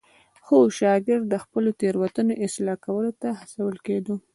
هر شاګرد د خپلو تېروتنو اصلاح کولو ته هڅول کېده.